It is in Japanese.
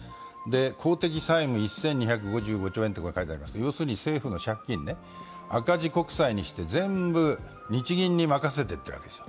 公的債務１２５５兆円と書いていますけれども政府の借金ね、赤字国債にして全部日銀に任せてっているわけです。